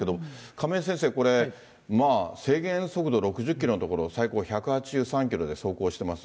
亀井先生、これ、制限速度６０キロのところ、最高１８３キロで走行してます。